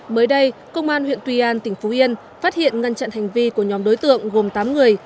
mới đây công an huyện tuy an tỉnh phú yên phát hiện ngăn chặn hành vi của nhóm đối tượng gồm tám người